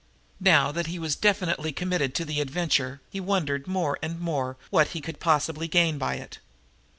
Now that he was definitely committed to the adventure he wondered more and more what he could possibly gain by it.